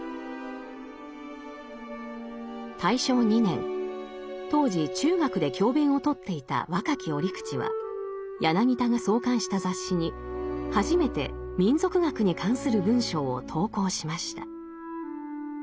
大正２年当時中学で教鞭を執っていた若き折口は柳田が創刊した雑誌に初めて民俗学に関する文章を投稿しました。